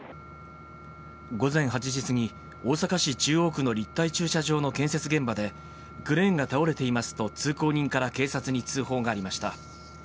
午前８時過ぎ、大阪市中央区の立体駐車場の建設現場で、クレーンが倒れていますと、通行人から警察に通報がありました。